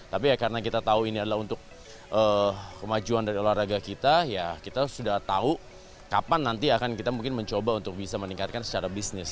tapi ya karena kita tahu ini adalah untuk kemajuan dari olahraga kita ya kita sudah tahu kapan nanti akan kita mungkin mencoba untuk bisa meningkatkan secara bisnis